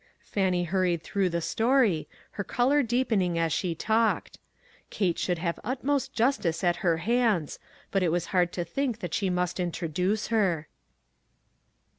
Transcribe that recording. Fannie hurried through the story, her color deepening as she talked. Kate should have utmost justice at her hands, but it was hard to think that she must introduce her.